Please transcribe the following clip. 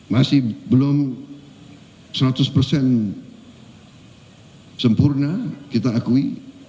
masih belum seratus persen sempurna kita akui